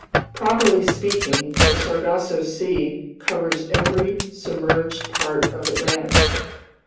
Properly speaking, the Sargasso Sea covers every submerged part of Atlantis.